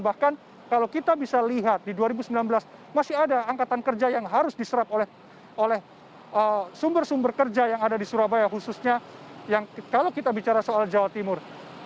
bahkan kalau kita bisa lihat di dua ribu sembilan belas masih ada angkatan kerja yang harus diserap oleh sumber sumber kerja yang ada di surabaya khususnya yang kalau kita bicara soal jawa timur